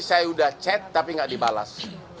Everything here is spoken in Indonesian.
saya sudah chat tapi nggak dibalas